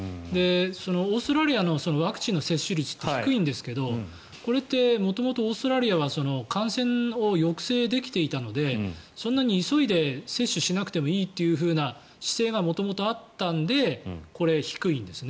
オーストラリアのワクチンの接種率って低いんですがこれって、元々オーストラリアは感染を抑制できていたのでそんなに急いで接種しなくてもいいというふうな姿勢が元々あったのでこれ、低いんですね。